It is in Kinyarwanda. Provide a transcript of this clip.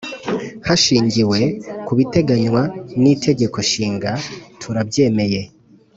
hashingiwe ku biteganywa n Itegeko Nshinga turabyemeye